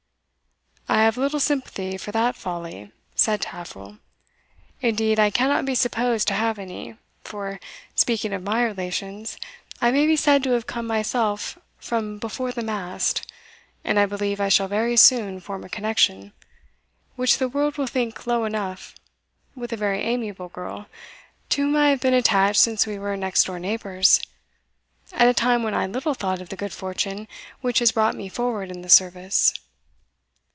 "I have little sympathy for that folly," said Taffril "indeed I cannot be supposed to have any; for, speaking of my relations, I may be said to have come myself from before the mast, and I believe I shall very soon form a connection, which the world will think low enough, with a very amiable girl, to whom I have been attached since we were next door neighbours, at a time when I little thought of the good fortune which has brought me forward in the service."